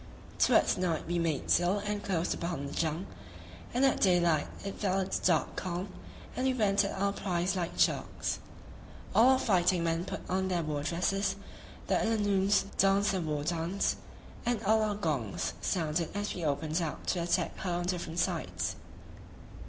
Towards night we made sail and closed upon the junk, and at daylight it fell a stark calm, and we went at our prize like sharks. All our fighting men put on their war dresses; the Illanoons danced their war dance, and all our gongs sounded as we opened out to attack her on different sides.